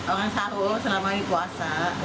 orang sahur selama ini puasa